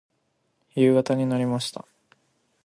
夕方になりました。